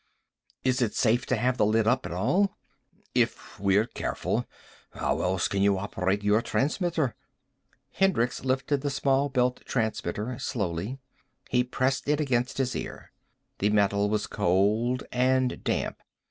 "Is it safe to have the lid up at all?" "If we're careful. How else can you operate your transmitter?" Hendricks lifted the small belt transmitter slowly. He pressed it against his ear. The metal was cold and damp.